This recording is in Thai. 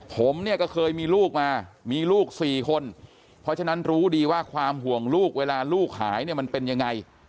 ผมเนี่ยก็เคยมีลูกมามีลูก๔คนเพราะฉะนั้นรู้ดีว่าความห่วงลูกเวลาลูกหายเนี่ยมันเป็นยังไง